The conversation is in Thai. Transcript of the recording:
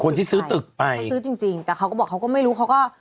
ซื้อตึกไปเขาซื้อจริงจริงแต่เขาก็บอกเขาก็ไม่รู้เขาก็